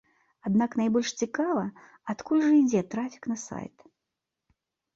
Аднак найбольш цікава, адкуль жа ідзе трафік на сайт.